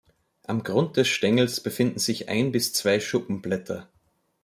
Am Grund des Stängels befinden sich ein bis zwei Schuppenblätter.